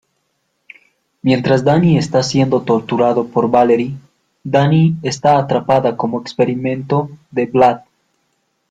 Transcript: Mientras Danny está siendo torturado por Valerie, Dani está atrapada como experimento de Vlad.